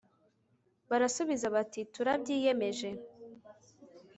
barasubiza bati turabyiyemeje